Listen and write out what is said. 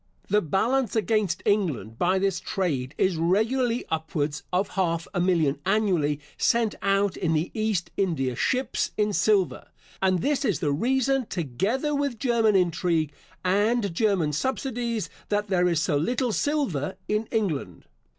The balance against England by this trade is regularly upwards of half a million annually sent out in the East India ships in silver; and this is the reason, together with German intrigue, and German subsidies, that there is so little silver in England.